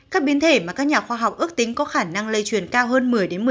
các biến thể mà các nhà khoa học ước tính có khả năng lây truyền cao hơn một mươi một mươi